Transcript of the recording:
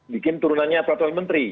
bikin turunannya peraturan menteri